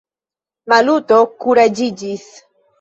Maluto kuraĝiĝis.